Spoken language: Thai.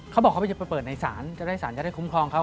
เขาบอกเขาจะไปเปิดในศาลจะได้สารจะได้คุ้มครองเขา